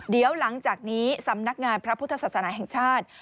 เดี๋ยวหลังจากนี้สำนักงานพระพุทธศาสนาแห่งชาติ